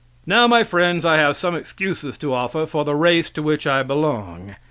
Now, my friends, I have some excuses to offer for the race to which I belong.